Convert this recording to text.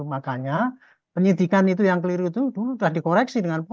makanya penyidikan yang keliru itu dulu sudah dikoreksi dengan pores